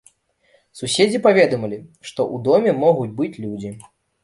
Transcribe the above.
Суседзі паведамілі, што ў доме могуць быць людзі.